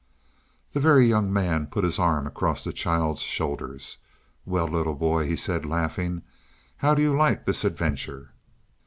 The Very Young Man put his arm across the child's shoulders. "Well, little boy," he said laughing, "how do you like this adventure?"